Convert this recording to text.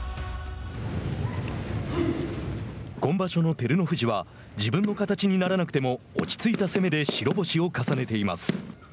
今場所の照ノ富士は自分の形にならなくても落ち着いた攻めで白星を重ねています。